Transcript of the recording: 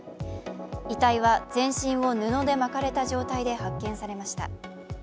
遺体は全身を布で巻かれた状態で発見されました。